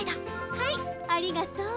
はいありがとう。